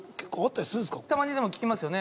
たまにでも聞きますよね